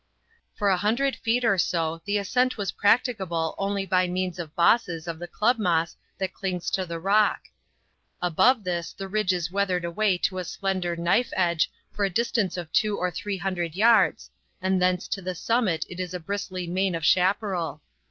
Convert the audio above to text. For a hundred feet or so the ascent was practicable only by means of bosses of the club moss that clings to the rock. Above this the ridge is weathered away to a slender knife edge for a distance of two or three hundred yards, and thence to the summit it is a bristly mane of chaparral.